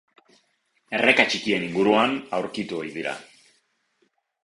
Erreka txikien inguruan aurkitu ohi dira.